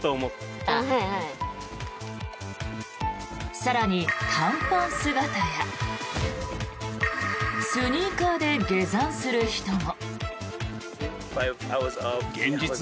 更に短パン姿やスニーカーで下山する人も。